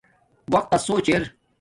وقت تس سوچ ار